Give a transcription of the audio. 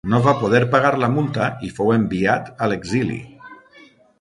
No va poder pagar la multa i fou enviat a l'exili.